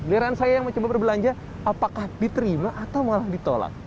beliran saya yang mencoba berbelanja apakah diterima atau malah ditolak